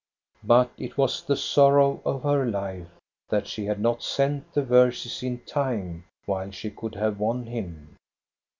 But it was the sorrow of her life that she had not sent the verses in time, while she could have won him.